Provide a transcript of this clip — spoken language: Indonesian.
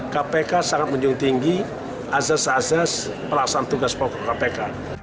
kpk sangat menjun tinggi azas azas pelaksanaan tugas pokok kpk